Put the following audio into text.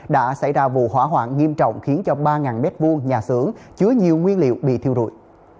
đã xảy ra vụ hỏa hoạn nghiêm trọng khiến cho ba m hai nhà xưởng chứa nhiều nguyên liệu bị thiêu rụi